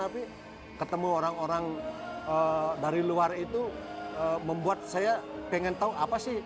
tapi ketemu orang orang dari luar itu membuat saya pengen tahu apa sih